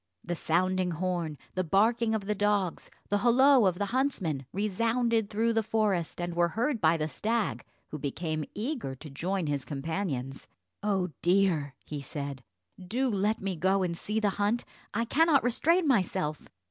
The sounding horn, the barking of the dogs, the holloa of the huntsmen, resounded through the forest, and were heard by the stag, who became eager to join his companions. "Oh dear," he said, "do let me go and see the hunt; I cannot restrain myself."